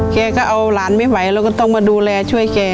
แกก็เอาหลานไม่ไหวเราก็ต้องมาดูแลช่วยแก